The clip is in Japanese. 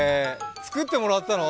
作ってもらったの？